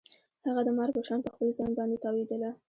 هغه د مار په شان په خپل ځان باندې تاوېدله.